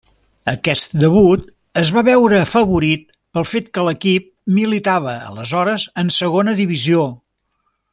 Aquest debut es va veure afavorit pel fet que l'equip militava aleshores en segona divisió.